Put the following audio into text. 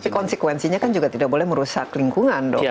ya tapi konsekuensinya kan juga tidak boleh merusak lingkungan